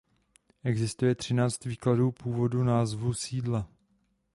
Existuje třináct výkladů původu názvu sídla.